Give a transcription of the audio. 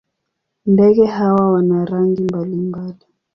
Ndege hawa wana rangi mbalimbali.